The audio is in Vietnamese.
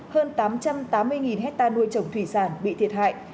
hơn tám trăm tám mươi hectare nuôi trồng thủy sản bị thiệt hại